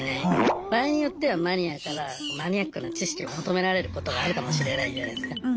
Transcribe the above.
場合によってはマニアからマニアックな知識を求められることがあるかもしれないじゃないすか。